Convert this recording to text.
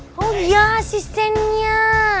oh iya asistennya